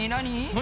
何？